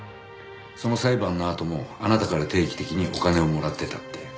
その裁判のあともあなたから定期的にお金をもらってたって。